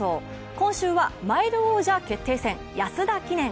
今週はマイル王者決定戦安田記念。